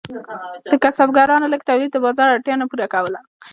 د کسبګرانو لږ تولید د بازار اړتیا نه پوره کوله.